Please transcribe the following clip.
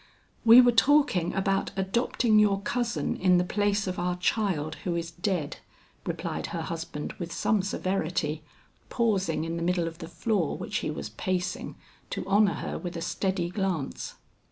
"We were talking about adopting your cousin in the place of our child who is dead," replied her husband with some severity, pausing in the middle of the floor which he was pacing, to honor her with a steady glance.